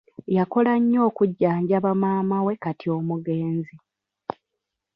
Yakola nnyo okujjanjaba maama we kati omugenzi.